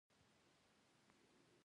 دوی لا هم سیاست د استخباراتي لوبه بولي.